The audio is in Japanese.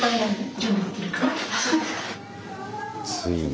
ついに。